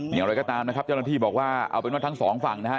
อย่างไรก็ตามนะครับเจ้าหน้าที่บอกว่าเอาเป็นว่าทั้งสองฝั่งนะฮะ